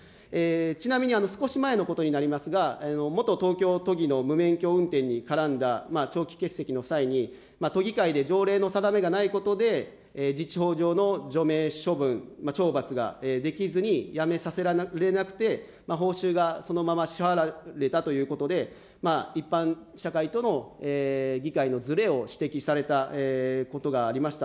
ちなみに、少し前のことになりますが、元東京都議の無免許運転に絡んだ長期欠席の際に、都議会で条例の定めがないことで、自治法上の除名処分、懲罰ができずに辞めさせられなくて、報酬がそのまま支払われたということで、一般社会との議会のずれを指摘されたことがありました。